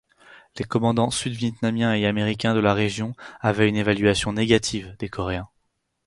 Les commandants sud-vietnamiens et américains de la région avaient une évaluation négative des Coréens.